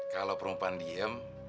kalau perumpaan diem